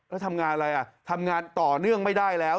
แล้วทำงานอะไรอ่ะทำงานต่อเนื่องไม่ได้แล้ว